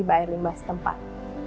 hibah air limbas tempat